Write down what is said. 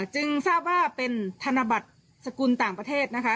จึงทราบว่าเป็นธนบัตรสกุลต่างประเทศนะคะ